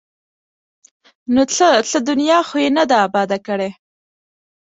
ـ نو څه؟ څه دنیا خو یې نه ده اباده کړې!